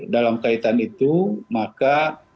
dalam kaitan itu maka